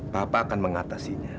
papa akan mengatasinya